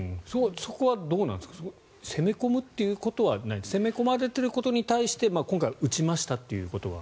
そこはどうなんですか攻め込むことは攻め込まれていることに関して今回、撃ちましたということは？